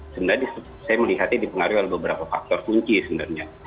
sebenarnya saya melihatnya dipengaruhi oleh beberapa faktor kunci sebenarnya